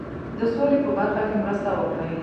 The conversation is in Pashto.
د سولي په برخه کې مرسته وکړي.